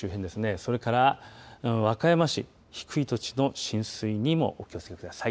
それから和歌山市低い土地の浸水にもお気をつけください。